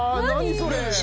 それ。